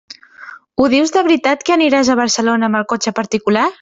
Ho dius de veritat que aniràs a Barcelona amb el cotxe particular?